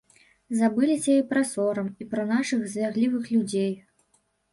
Забыліся і пра сорам, і пра нашых звяглівых людзей.